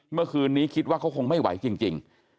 เมื่อคืนนี้คิดว่าเขาคงไม่ไหวจริง